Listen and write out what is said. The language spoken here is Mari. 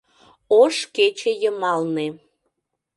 ОШ КЕЧЕ ЙЫМАЛНЕ